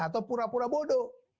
atau pura pura bodoh